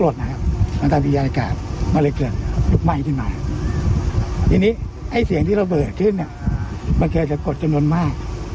ดีค่ะ